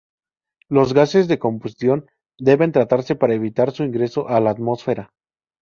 Los gases de combustión deben tratarse para evitar su ingreso a la atmósfera.